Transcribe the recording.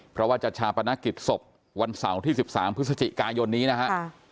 เพราะว่าจะชาปนกิจศพวันเสาร์ที่๑๓พฤศจิกายนนี้นะฮะ